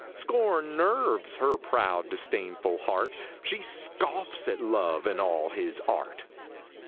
Scorn nerves her proud, disdainful heart ! She scoffs at Love and all his art